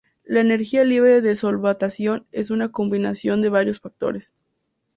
La energía libre de solvatación es una combinación de varios factores.